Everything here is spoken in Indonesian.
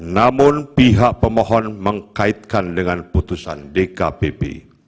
namun pihak pemohon mengkaitkan dengan putusan dkpp